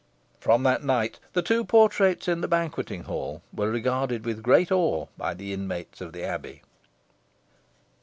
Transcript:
From that night the two portraits in the banqueting hall were regarded with great awe by the inmates of the Abbey.